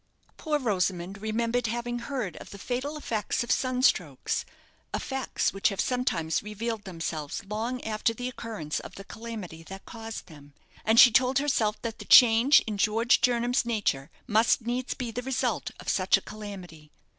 Poor Rosamond remembered having heard of the fatal effects of sunstrokes effects which have sometimes revealed themselves long after the occurrence of the calamity that caused them; and she told herself that the change in George Jernam's nature must needs be the result of such a calamity.